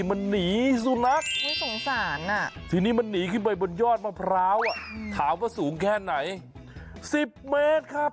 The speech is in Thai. มันหนีสุนัขสงสารอ่ะทีนี้มันหนีขึ้นไปบนยอดมะพร้าวถามว่าสูงแค่ไหน๑๐เมตรครับ